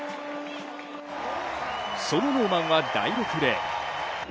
そのノーマンは第６レーン。